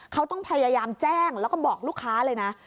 เขาต้องพยายามแจ้งแล้วก็บอกลูกค้าเลยนะ